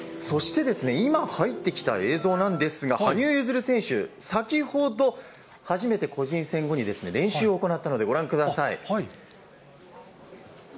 そして、今入ってきた映像なんですが、羽生結弦選手、先ほど、初めて個人戦後に練習を行ったので、ご覧ください。